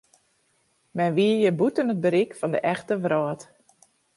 Men wie hjir bûten it berik fan de echte wrâld.